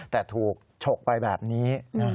แต่ถูกฉกไปแบบนี้